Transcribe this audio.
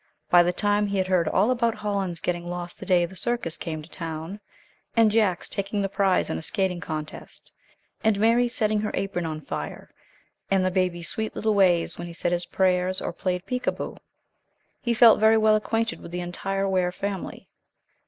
By the time he had heard all about Holland's getting lost the day the circus came to town, and Jack's taking the prize in a skating contest, and Mary's setting her apron on fire, and the baby's sweet little ways when he said his prayers, or played peek a boo, he felt very well acquainted with the entire Ware family.